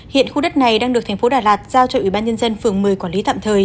hiện khu đất này đang được thành phố đà lạt giao cho ủy ban nhân dân phường một mươi quản lý tạm thời